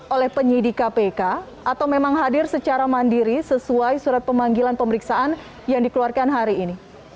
oleh pihak komisi pengurangan kepolisian